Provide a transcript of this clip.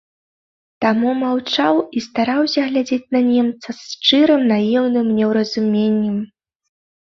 Таму маўчаў і стараўся глядзець на немца з шчырым наіўным неўразуменнем.